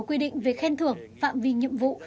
quy định về khen thưởng phạm vi nhiệm vụ